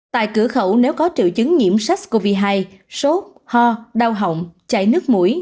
tại cửa khẩu nếu có triệu chứng nhiễm sars cov hai sốt ho đau họng chảy nước mũi